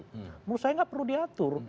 menurut saya nggak perlu diatur